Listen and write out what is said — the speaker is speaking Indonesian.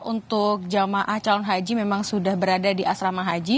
untuk jemaah calon haji memang sudah berada di asrama haji